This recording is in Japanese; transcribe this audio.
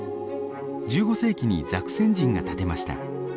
１５世紀にザクセン人が建てました。